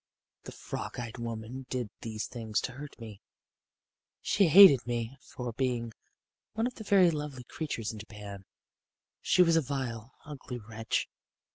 The frog eyed woman did these things to hurt me she hated me for being one of the very lovely creatures in Japan. She was a vile, ugly wretch.